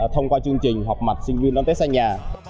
thông qua chương trình họp mặt sinh viên đón tết xa nhà